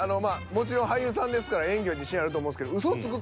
もちろん俳優さんですから演技は自信あると思うんですけど。